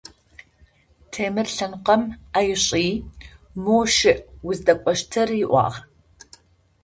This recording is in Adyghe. Темыр лъэныкъом ӏэ ышӏи, - моу щыӏ уздэкӏощтыр, - ыӏуагъ.